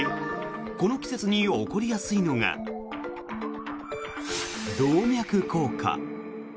この季節に起こりやすいのが動脈硬化。